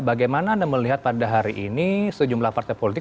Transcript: bagaimana anda melihat pada hari ini sejumlah partai politik